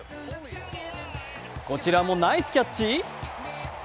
こちらもナイスキャッチ？